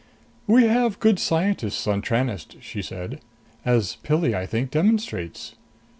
"We have good scientists on Tranest," she said, "as Pilli, I think, demonstrates."